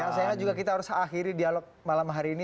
sehat sehat juga kita harus akhiri dialog malam hari ini